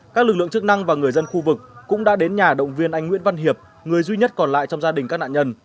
các lực lượng chức năng và người dân khu vực cũng đã đến nhà động viên anh nguyễn văn hiệp người duy nhất còn lại trong gia đình các nạn nhân